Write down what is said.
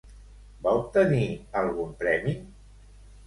Va obtenir algun premi?